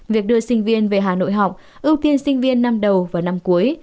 việc đưa sinh viên về hà nội học ưu tiên sinh viên năm đầu và năm cuối